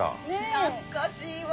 懐かしいわ。